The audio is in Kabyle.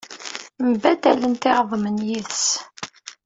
Mbaddalent iɣeḍmen yid-s.